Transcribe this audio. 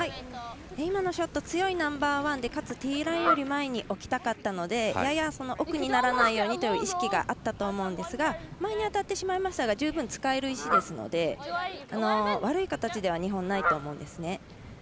今のショット強いナンバーワンでかつ、ティーラインより前に置きたかったのでやや、奥にならないようにという意識があったと思いますが前に当たってしまいましたが十分、使える石ですので悪い形では日本、ないと思うんですね。